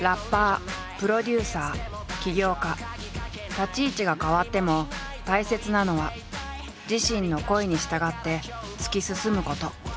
立ち位置が変わっても大切なのは自身の声に従って突き進むこと。